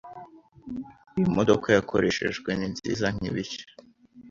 Iyi modoka yakoreshejwe ni nziza nkibishya.